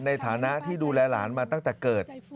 ในฐานะที่ดูแลหลานมาตั้งแต่เกิด